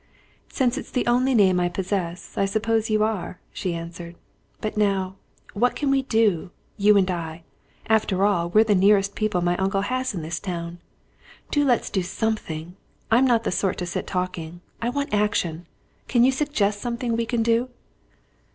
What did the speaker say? "Since it's the only name I possess, I suppose you are," she answered. "But now what can we do you and I? After all, we're the nearest people my uncle has in this town. Do let's do something! I'm not the sort to sit talking I want action! Can't you suggest something we can do?"